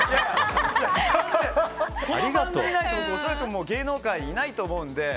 この番組がないと恐らく芸能界にいないと思うので。